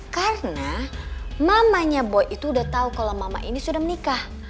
karena mamanya boy itu udah tau kalo mama ini sudah menikah